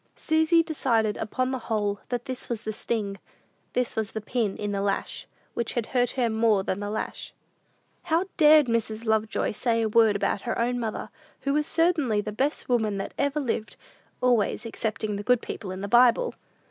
Susy decided, upon the whole, that this was the sting this was the "pin in the lash," which had hurt her more than the lash. How dared Mrs. Lovejoy say a word about her own mother, who was certainly the best woman that ever lived, always excepting the good people in the Bible!